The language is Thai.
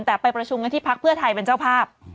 ที่เราได้ประชุมอยู่ที่พระเภือไทยเป็นเจ้าภาพ